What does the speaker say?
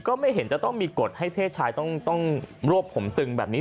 ก็ไม่เห็นจะต้องมีกฎให้เพศชายต้องรวบผมตึงแบบนี้